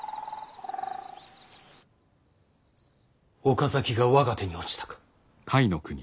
岡崎が我が手に落ちたか。